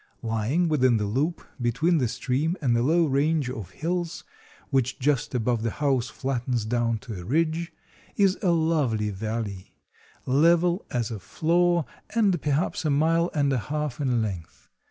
Lying within the loop, between the stream and a low range of hills, which just above the house flattens down to a ridge, is a lovely valley, level as a floor, and perhaps a mile and a half in length.